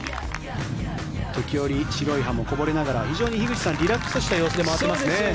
時折、白い歯もこぼれながら非常にリラックスした様子でしたよね。